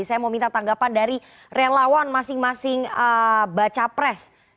dan saya ingin menanyakan dari relawan masing masing baca pres